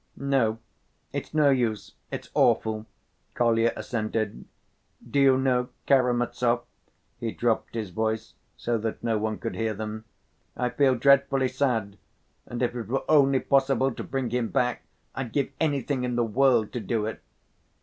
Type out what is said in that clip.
"No, it's no use, it's awful," Kolya assented. "Do you know, Karamazov," he dropped his voice so that no one could hear them, "I feel dreadfully sad, and if it were only possible to bring him back, I'd give anything in the world to do it."